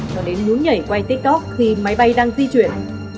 cho đến núi nhảy quay tiktok khi máy bay đang di chuyển